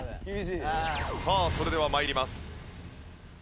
さあそれでは参ります。